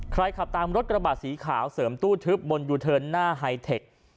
ขับตามรถกระบาดสีขาวเสริมตู้ทึบบนยูเทิร์นหน้าไฮเทค